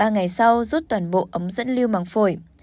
ba ngày sau rút toàn bộ ống dẫn lưu bằng phổi